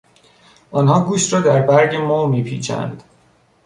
آنها گوشت را در برگ مو میپیچند.